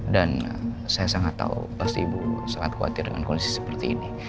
dan saya sangat tahu pasti ibu sangat khawatir dengan kondisi seperti ini